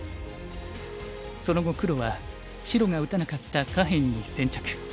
その後黒は白が打たなかった下辺に先着。